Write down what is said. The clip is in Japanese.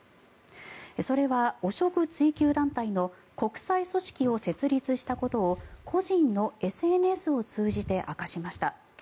それは汚職追及団体の国際組織を設立したことを個人のＳＮＳを通じて明かしました。